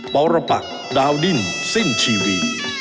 ปรปักดาวดิ้นสิ้นชีวิต